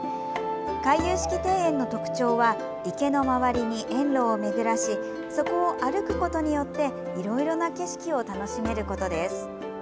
回遊式庭園の特徴は池の周りに園路を巡らしそこを歩くことによっていろいろな景色を楽しめることです。